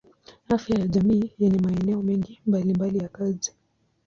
Afya ya jamii yenye maeneo mengi mbalimbali ya kazi.